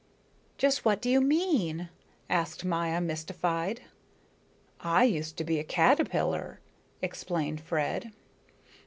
"Just what do you mean?" asked Maya, mystified. "I used to be a caterpillar," explained Fred.